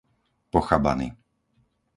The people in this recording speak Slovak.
Pochabany